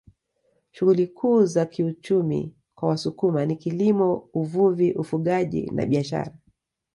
Shughuli kuu za kiuchumi kwa Wasukuma ni kilimo uvuvi ufugaji na biashara